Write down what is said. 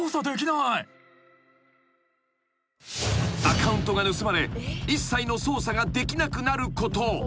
［アカウントが盗まれ一切の操作ができなくなること］